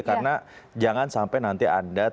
karena jangan sampai nanti anda